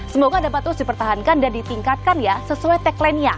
semoga dapat terus dipertahankan dan ditingkatkan ya sesuai tagline nya